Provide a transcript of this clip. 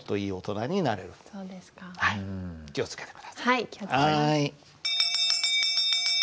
はい気を付けます。